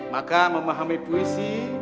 maka memahami puisi